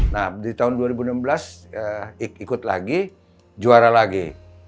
nah di tahun dua ribu enam belas ikut lagi juara lagi